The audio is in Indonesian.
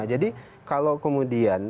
jadi kalau kemudian